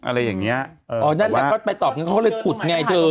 อะไรอย่างเงี้ยอ๋อนั่นแหละก็ไปตอบไงเขาก็เลยขุดไงเธอ